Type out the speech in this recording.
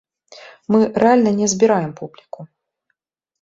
Мы рэальна не збіраем публіку.